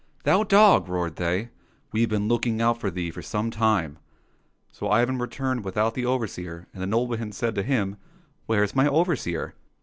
" Thou dog !" roared they, '* we've been looking out for thee for some time !" So Ivan returned without the overseer, and the nobleman said to him, *' Where's my overseer